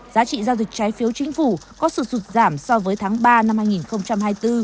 giá trị giao dịch trái phiếu chính phủ có sự sụt giảm so với tháng ba năm hai nghìn hai mươi bốn